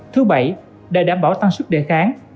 thứ bảy đợi đảm bảo tăng sức đề kháng